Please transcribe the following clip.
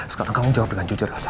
sekarang kamu jawab dengan jujur rasa